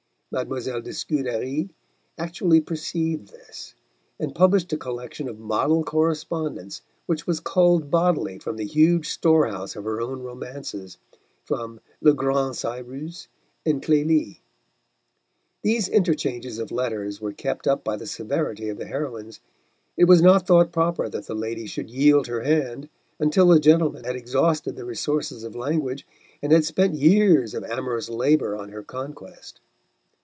Mlle. de Scudéry actually perceived this, and published a collection of model correspondence which was culled bodily from the huge store house of her own romances, from Le Grand Cyrus and Clélie. These interchanges of letters were kept up by the severity of the heroines. It was not thought proper that the lady should yield her hand until the gentleman had exhausted the resources of language, and had spent years of amorous labour on her conquest.